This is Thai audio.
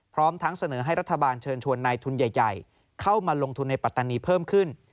พร้อมทั้งเสนอให้รัฐบาลเชิญชวนนายทุนใหญ่เข้ามาลงทุนในปัตตานีเพิ่มขึ้น